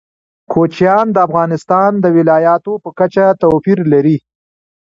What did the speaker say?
کوچیان د افغانستان د ولایاتو په کچه توپیر لري.